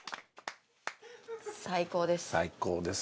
最高です。